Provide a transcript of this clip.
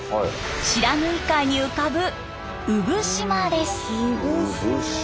不知火海に浮かぶ産島です。